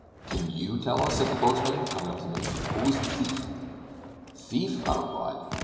"Can YOU tell us," said the boatswain, coming up to me, "who is the thief?" "Thief!" I replied.